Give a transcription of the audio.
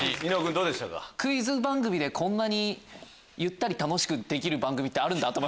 クイズ番組でこんなにゆったり楽しくできる番組ってあるんだ。